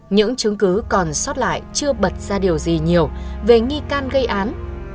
những chứng cứ còn sót lại chưa bật ra điều gì nhiều về nghi can gây án